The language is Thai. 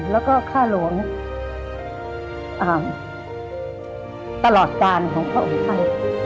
แล้วก็ค่าหลวงตลอดกาลของพอไป